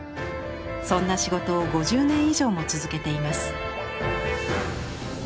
そんな仕事を５０年以上も続けています。